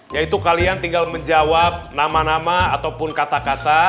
yaitu kalian tinggal menjawab nama nama ataupun kata kata